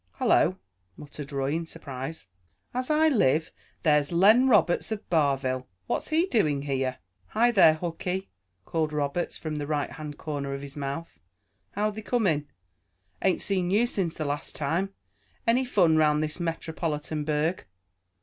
"Hello!" muttered Roy in surprise. "As I live, there's Len Roberts, of Barville! What's he doing here?" "Hi, there, Hooky!" called Roberts from the right hand corner of his mouth. "How they coming? Ain't seen you since the last time. Any fun 'round this metropolitan burg?"